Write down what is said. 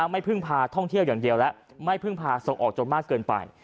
ไม่พึ่งพาท่องเที่ยวอย่างเดียวและไม่พึ่งพาส่งออกจนมากเกินไป